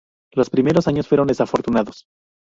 Los primeros años fueron desafortunados.